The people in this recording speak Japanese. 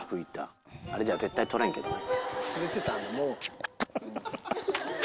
あれじゃ絶対取れんけどな。